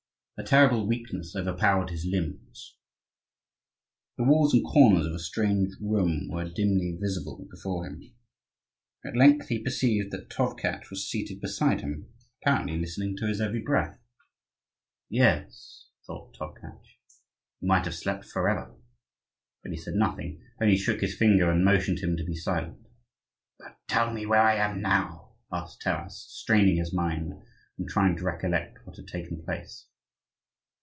A terrible weakness overpowered his limbs. The walls and corners of a strange room were dimly visible before him. At length he perceived that Tovkatch was seated beside him, apparently listening to his every breath. "Yes," thought Tovkatch, "you might have slept forever." But he said nothing, only shook his finger, and motioned him to be silent. "But tell me where I am now?" asked Taras, straining his mind, and trying to recollect what had taken place.